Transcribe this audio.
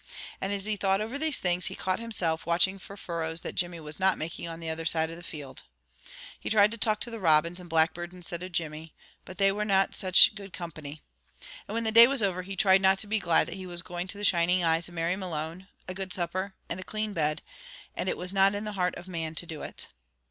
And as he thought over these things, he caught himself watching for furrows that Jimmy was not making on the other side of the field. He tried to talk to the robins and blackbirds instead of Jimmy, but they were not such good company. And when the day was over, he tried not to be glad that he was going to the shining eyes of Mary Malone, a good supper, and a clean bed, and it was not in the heart of man to do it.